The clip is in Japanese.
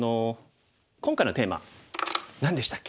今回のテーマ何でしたっけ？